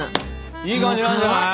いい感じなんじゃない？